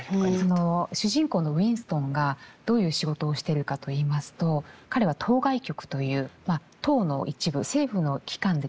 その主人公のウィンストンがどういう仕事をしてるかといいますと彼は党外局という党の一部政府の機関でですね